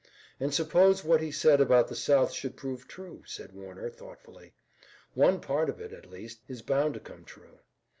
"And suppose what he said about the South should prove true," said Warner, thoughtfully. "One part of it, at least, is bound to come true.